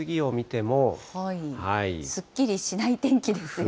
すっきりしない天気ですよね。